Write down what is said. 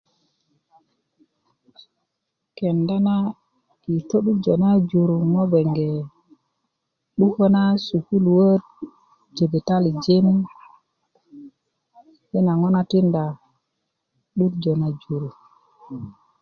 kenda na tu i to'durjö na jur ko ŋo bgenge 'dukö na sukuluöt jibitalijin yi na ŋo na tinda 'durjö na jur